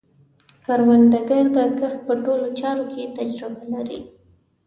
کروندګر د کښت په ټولو چارو کې تجربه لري